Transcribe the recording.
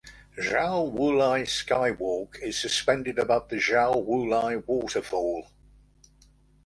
Xiao Wulai Skywalk is suspended above the Xiao Wulai Waterfall.